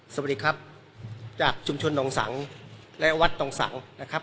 สวัสดีครับจากชุมชนนองสังและวัดดองสังนะครับ